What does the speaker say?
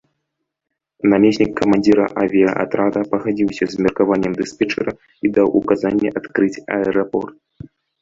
Намеснік камандзіра авіяатрада пагадзіўся з меркаваннем дыспетчара і даў указанне адкрыць аэрапорт.